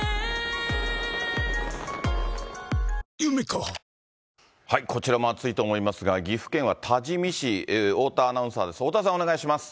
こちらも暑いと思いますが、岐阜県は多治見市、大田アナウンサーです。